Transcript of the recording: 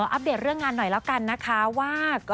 อัปเดตเรื่องงานหน่อยแล้วกันนะคะว่า